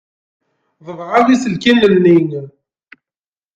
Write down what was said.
Ḍebɛeɣ iselkinen-nni.